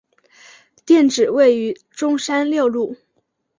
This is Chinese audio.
店址位于中山六路。